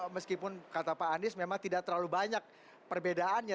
meskipun kata pak anies memang tidak terlalu banyak perbedaannya